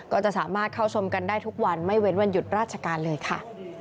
ก็จะสามารถเข้าชมกันได้ทุกวันไม่เว้นวันหยุดราชการเลยค่ะ